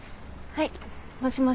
はい。